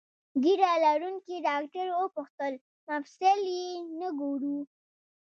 ږیره لرونکي ډاکټر وپوښتل: مفصل یې نه ګورو؟